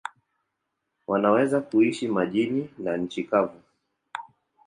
Wanaweza kuishi majini na nchi kavu.